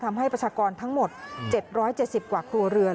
ประชากรทั้งหมด๗๗๐กว่าครัวเรือน